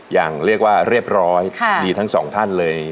อย่างเรียกว่าเรียบร้อยดีทั้งสองท่านเลย